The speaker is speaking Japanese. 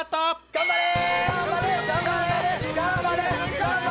頑張れ！